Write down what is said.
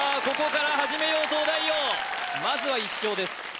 ここから始めよう東大王まずは１勝です